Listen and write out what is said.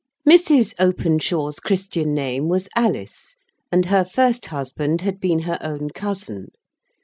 Mrs. Openshaw's Christian name was Alice, and her first husband had been her own cousin.